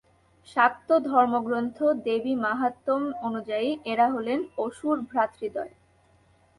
শাক্ত ধর্মগ্রন্থ দেবীমাহাত্ম্যম্ অনুযায়ী, এঁরা হলেন অসুর ভ্রাতৃদ্বয়।